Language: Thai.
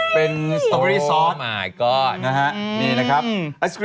เป็นสตรอเบอร์รี่ซอส